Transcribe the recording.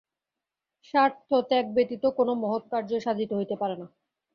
স্বার্থত্যাগ ব্যতীত কোন মহৎ কার্যই সাধিত হইতে পারে না।